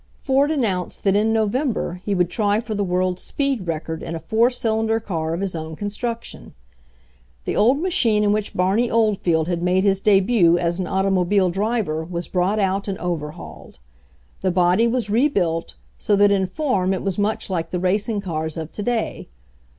Ford announced that in November he would try for the world's speed record in a four cylinder car of his own construction. The old machine in which Barney Oldfield had made his debut as an automobile driver was brought out and overhauled. The body was re built, so that in form it was much like the racing cars of to day.